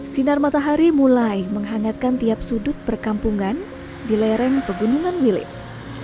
sinar matahari mulai menghangatkan tiap sudut perkampungan di lereng pegunungan willips